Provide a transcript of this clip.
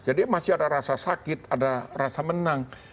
masih ada rasa sakit ada rasa menang